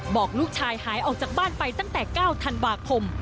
บอกลูกชายหายออกจากบ้านไปตั้งแต่๙ธันวาคม